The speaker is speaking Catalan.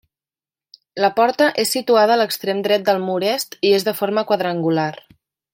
La porta és situada a l'extrem dret del mur est i és de forma quadrangular.